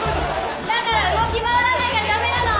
だから動き回らなきゃだめなの。